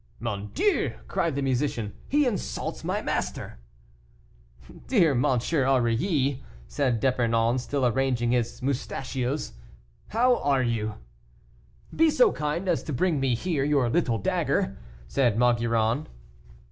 "Mon Dieu!" cried the musician, "he insults my master!" "Dear M. Aurilly," said D'Epernon, still arranging his mustachois, "how are you?" "Be so kind as to bring me here your little dagger," said Maugiron.